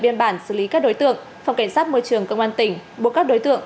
điên bản xử lý các đối tượng phòng cảnh sát môi trường cơ quan tỉnh buộc các đối tượng